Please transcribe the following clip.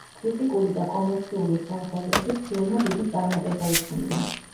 კრიტიკული და კომერციული თვალსაზრისით, ფილმმა დიდი წარმატება იქონია.